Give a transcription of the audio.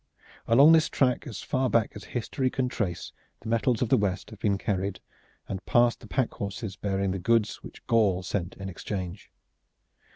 Along this track as far back as history can trace the metals of the west have been carried and passed the pack horses which bore the goods which Gaul sent in exchange.